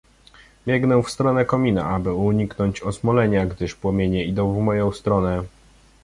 "Biegnę w stronę komina, aby uniknąć osmalenia, gdyż płomienie idą w moją stronę."